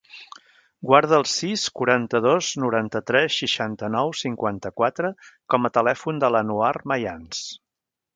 Guarda el sis, quaranta-dos, noranta-tres, seixanta-nou, cinquanta-quatre com a telèfon de l'Anouar Mayans.